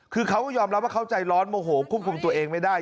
คือเขาก็ยอมรับว่าเขาใจร้อนโมโหควบคุมตัวเองไม่ได้